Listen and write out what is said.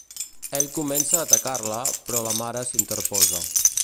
Ell comença a atacar-la, però la mare s'interposa.